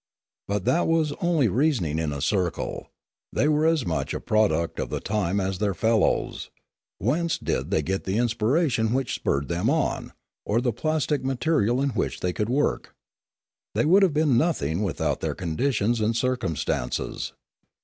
But that was only reasoning in a circle; they were as much a product of the time as their fel lows; whence did they get the inspiration which spurred them on, or the plastic material in which they could work ? They would have been nothing without their conditions and circumstances.